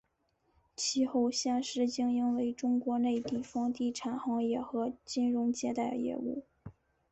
其后现时经营为中国内地房地产行业和金融借贷业务。